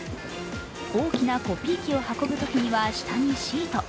大きなコピー機を運ぶときには下にシート。